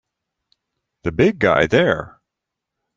The big guy there!